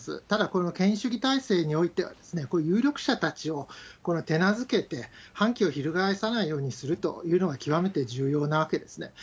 ただ、これは権威主義体制においては、こういう有力者たちをこれは手なずけて、反旗を翻さないようにするというのは極めて重要なわけですね。